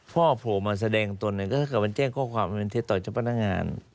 พ่อโผล่มาแสดงตัวเนี่ยก็ถ้ามันแจ้งข้อความมันเป็นเทตต่อจับพนักงาน